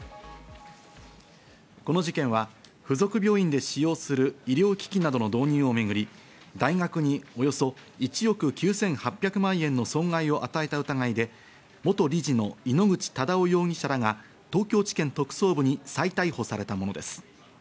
この事件は付属病院で使用する医療機器などの導入をめぐり、大学におよそ１億９８００万円の損害を与えた疑いで、元理事の井ノ口忠男容疑者らが東京地検特捜部に再逮捕されたものです。